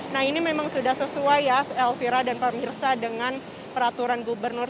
nah ini memang sudah sesuai ya elvira dan pemirsa dengan peraturan gubernur